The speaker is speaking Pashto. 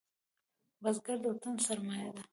بزګر د وطن سرمايه ده